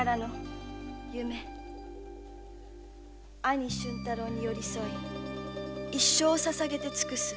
兄俊太郎に寄り添い一生をささげて尽くす。